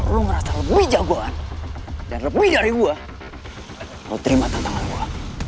kalo lo ngerasa lebih jagoan dan lebih dari gue lo terima tantangan gue